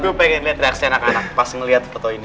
gue pengen lihat reaksi anak anak pas ngeliat foto ini